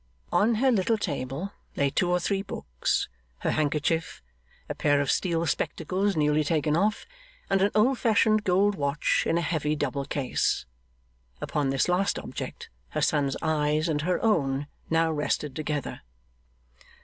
On her little table lay two or three books, her handkerchief, a pair of steel spectacles newly taken off, and an old fashioned gold watch in a heavy double case. Upon this last object her son's eyes and her own now rested together.